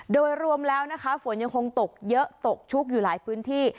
โดยรวมแล้วนะคะฝนยังคงตกเยอะตกชุกอยู่หลายพื้นที่